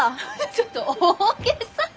ちょっと大げさ。